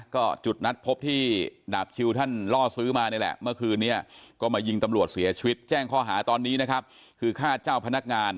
ก็จุดนัดพบที่ดาบชิลทันล่อซื้อมานี่แหละเมื่อคืนนี้ก็มายิงตำรวจเสียชีวิต